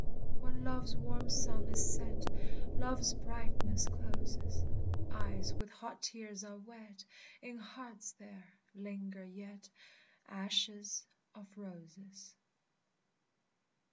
When love's warm sun is set, Love's brightness closes; Eyes with hot tears are wet, In hearts there linger yet Ashes of roses.